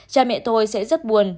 cha mẹ tôi sẽ rất buồn